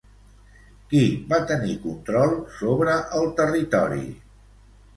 Qui va tenir control sobre el territori?